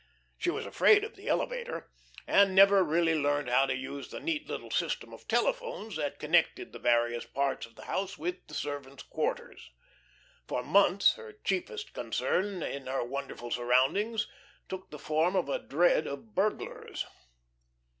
She was afraid of the elevator, and never really learned how to use the neat little system of telephones that connected the various parts of the house with the servants' quarters. For months her chiefest concern in her wonderful surroundings took the form of a dread of burglars.